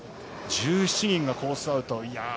１７人がコースアウト。